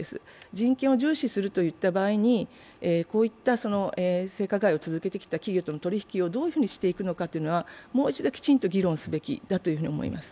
人権を重視するといった場合に、こういった性加害を続けてきた企業との取り引きをどういうふうにしていくのかはもう一度きちんと議論すべきだと思います。